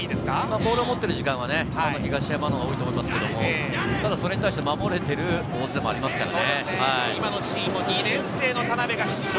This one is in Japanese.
ボールを持ってる時間は東山のほうが多いと思いますけれど、それに対して守れている大津もありますからね。